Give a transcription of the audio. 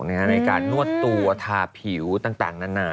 ในการนวดตัวทาผิวต่างนานา